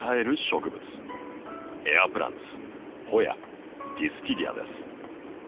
エアプランツホヤディスキディアです。